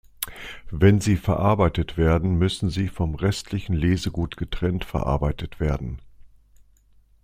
Wenn sie verarbeitet werden, müssen sie vom restlichen Lesegut getrennt verarbeitet werden.